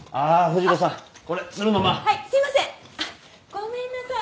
ごめんなさい。